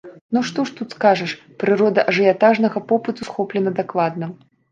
Ну што тут скажаш, прырода ажыятажнага попыту схоплена дакладна.